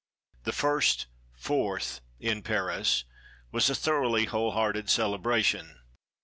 The first "Fourth" in Paris was a thoroughly whole souled celebration.